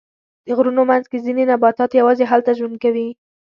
د غرونو منځ کې ځینې نباتات یواځې هلته ژوند کوي.